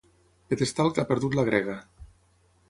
Pedestal que ha perdut la grega.